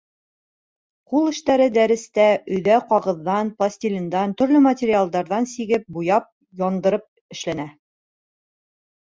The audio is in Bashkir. Ҡул эштәре дәрестә, өйҙә ҡағыҙҙан, пластилиндан, төрлө материалдарҙан сигеп, буяп, яндырып эшләнә.